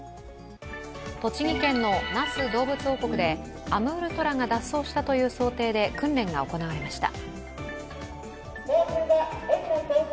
栃木県の那須どうぶつ王国でアムールトラが脱走したという想定で訓練が行われました。